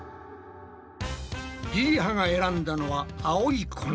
りりはが選んだのは青い粉だ。